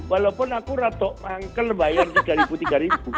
walaupun aku ratok manggel bayar rp tiga rp tiga